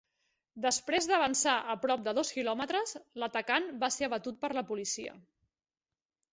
Després d'avançar a prop de dos quilòmetres, l'atacant va ser abatut per la policia.